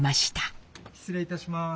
失礼いたします。